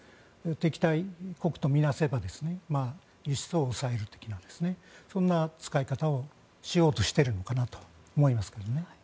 敵対国とみなせば輸出を抑えるとそんな使い方をしようとしているのかなと思いますけどね。